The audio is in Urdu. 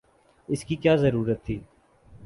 اس کی کیا ضرورت تھی؟